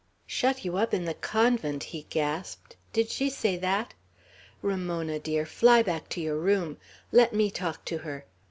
"Shut you in the convent!" he gasped. "Did she say that? Ramona, dear, fly back to your room. Let me talk to her.